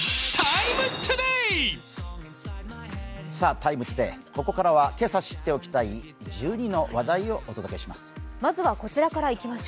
「ＴＩＭＥ，ＴＯＤＡＹ」、ここからは今朝知っておきたい１２の話題をお届けします。